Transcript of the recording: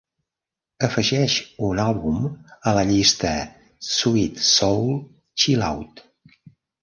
afegeix un àlbum a la llista Sweet Soul Chillout